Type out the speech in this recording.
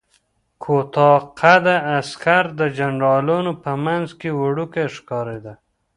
کوتاه قده عسکر د جنرالانو په منځ کې وړوکی ښکارېده.